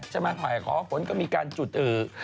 เจ้าบ้านไขว่าก้อโค้งก็มีการจุดอือ